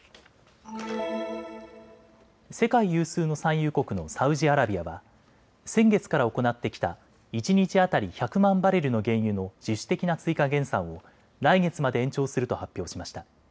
世界有数の産油国のサウジアラビアは先月から行ってきた一日当たり１００万バレルの原油の自主的な追加減産を来月まで延長すると発表しました。